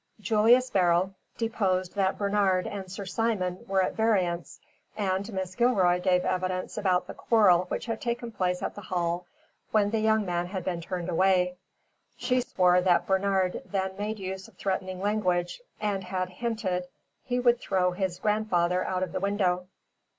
Julius Beryl deposed that Bernard and Sir Simon were at variance, and Mrs. Gilroy gave evidence about the quarrel which had taken place at the Hall when the young man had been turned away. She swore that Bernard then made use of threatening language and had hinted he would throw his grandfather out of the window.